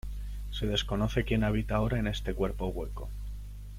Se desconoce quien habita ahora en este cuerpo hueco.